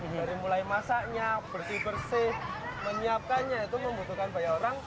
dari mulai masaknya bersih bersih menyiapkannya itu membutuhkan banyak orang